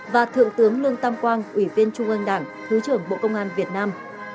và thượng tướng lương tam quang ủy viên trung ương đảng thứ trưởng bộ công an việt nam